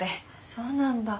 そうなんだ。